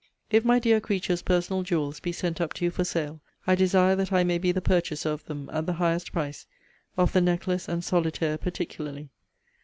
'If my dear creature's personal jewels be sent up to you for sale, I desire that I may be the purchaser of them, at the highest price of the necklace and solitaire particularly.